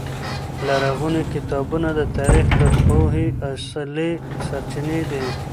لرغوني کتابونه د تاریخ د پوهې اصلي سرچینې دي.